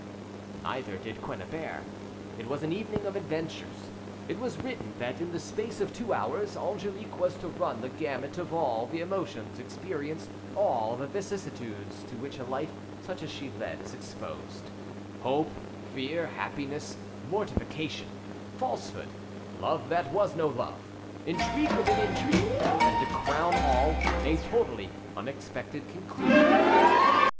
Neither did Quennebert. It was an evening of adventures. It was written that in the space of two hours Angelique was to run the gamut of all the emotions, experience all the vicissitudes to which a life such as she led is exposed: hope, fear, happiness, mortification, falsehood, love that was no love, intrigue within intrigue, and, to crown all, a totally unexpected conclusion.